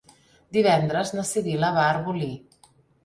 Divendres na Sibil·la va a Arbolí.